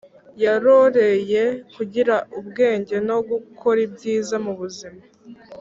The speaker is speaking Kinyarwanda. Yarorereye kugira ubwenge no gukor ibyiza mu buzima